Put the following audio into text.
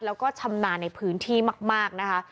แล้วก็ชำนาญในพื้นที่มากนะคะ